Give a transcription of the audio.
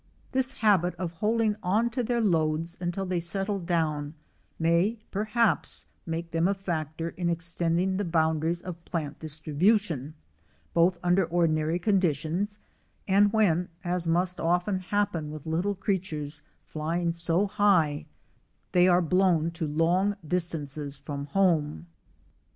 This habit of holding on to their loads until they settle down may perhaps make them a factor in extending the boundaries of plant distribution, both under ordinary conditions and when, as must often happen with little creatures flying so high, they are blown to long distances from home.